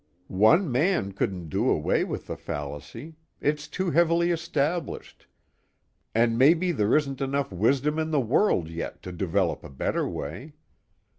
"One man couldn't do away with the fallacy. It's too heavily established, and maybe there isn't enough wisdom in the world yet to develop a better way.